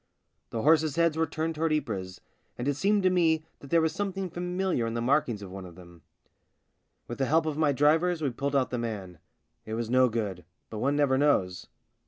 The horses' heads were turned towards Ypres, THE BLACK SHEEP 69 and it seemed to me that there was some thing familiar in the markings of one of them. With the help of my drivers we pulled out the man. It was no good — but one never knows.